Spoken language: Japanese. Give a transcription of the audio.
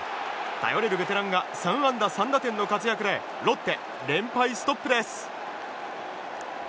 頼れるベテランが３安打３打点の活躍でロッテ、連敗ストップです。